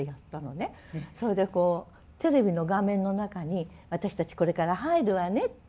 それでこうテレビの画面の中に私たちこれから入るわねって。